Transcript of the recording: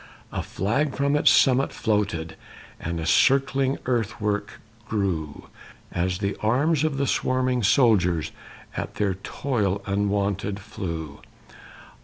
A flag from its summit floated And a circling earthwork grew, As the arms of the swarming soldiers At their toil unwonted flew.